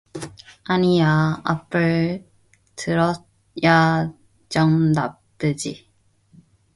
아니야, 앞을 뚫어야 정답이지